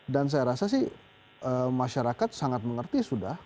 dan saya rasa sih masyarakat sangat mengerti sudah